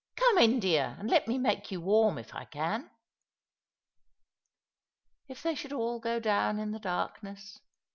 Come in, dear, and let me make you warm, if I can." '* If they should all go down in the darkness!